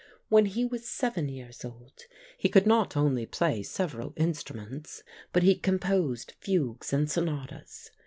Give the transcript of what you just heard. When he was seven years old, he could not only play several instruments, but he composed fugues and sonatas.